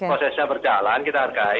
prosesnya berjalan kita hargai